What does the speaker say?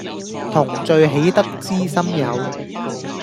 同聚喜得知心友